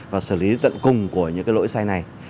và xử lý tận cùng của những cái lỗi sai này